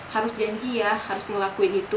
harus ngelakuin itu